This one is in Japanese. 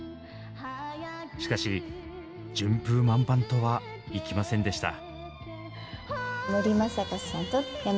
しかし順風満帆とはいきませんでした。